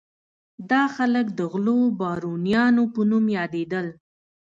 دا خلک د غلو بارونیانو په نوم یادېدل.